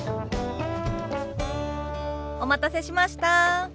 お待たせしました。